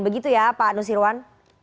begitu ya pak nusirwan